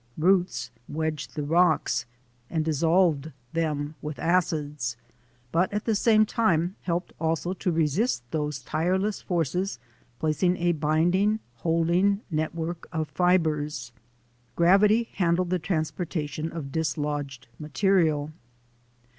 Roots wedged the rocks and dissolved them with acids, but at the same time helped also to resist these tireless forces, placing a binding, holding network of fibres. Gravity handled the transportation of dislodged material.